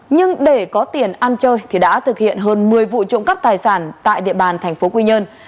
nhưng để có tiền ăn chơi thì đã thực hiện hơn một mươi vụ trộm cắp tài sản tại địa bàn thành phố quy nhơn